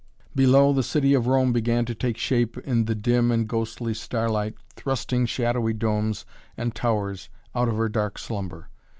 Below, the city of Rome began to take shape in the dim and ghostly starlight, thrusting shadowy domes and towers out of her dark slumber.